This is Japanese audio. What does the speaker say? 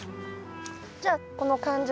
じゃあこの完熟。